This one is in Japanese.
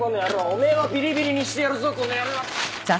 お前はビリビリにしてやるぞこの野郎。